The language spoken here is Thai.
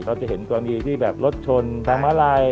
เราจะเห็นกรณีที่แบบรถชนทางมาลาย